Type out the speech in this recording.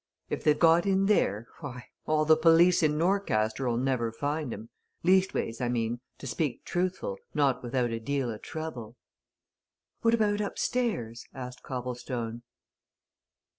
If they've got in there, why, all the police in Norcaster'll never find 'em leastways, I mean, to speak truthful, not without a deal o' trouble." "What about upstairs?" asked Copplestone.